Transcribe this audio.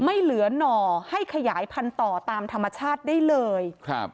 ไม่เหลือหน่อให้ขยายพันธุ์ต่อตามธรรมชาติได้เลยครับ